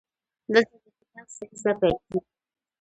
دلته د کتاب سریزه پیل کیږي.